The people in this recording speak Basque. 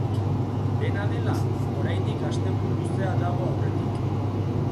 Dena dela, oraindik asteburu luzea dago aurretik.